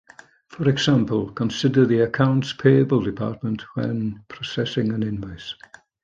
For example, consider the accounts payable department when processing an invoice.